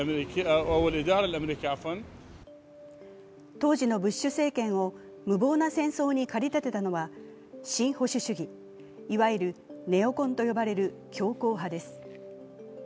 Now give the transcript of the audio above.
当時のブッシュ政権を無謀な戦争に駆り立てたのは新保守主義、いわゆるネオコンと呼ばれる強硬派です。